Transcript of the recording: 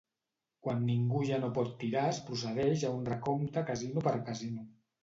Quan ningú ja no pot tirar es procedeix a un recompte casino per casino.